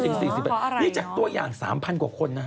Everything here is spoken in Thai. นี่จากตัวอย่าง๓๐๐กว่าคนนะ